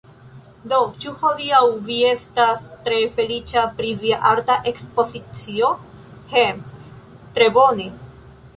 Do, ĉu hodiaŭ vi estas tre feliĉa pri via arta ekspozicio? eh... tre bone?